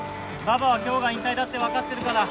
ババは今日が引退だって分かってるから。